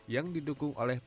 yang didukung oleh